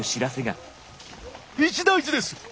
一大事です！